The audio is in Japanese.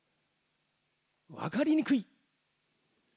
わかりにくい。